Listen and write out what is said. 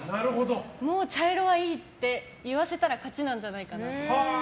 もう茶色はいいって言わせたら勝ちなんじゃないかなと。